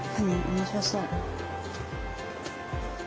面白そう。